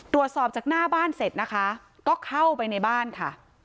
ตรวจสอบจากหน้าบ้านเสร็จนะคะก็เข้าไปในบ้านค่ะ